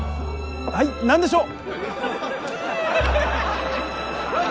はい何でしょう？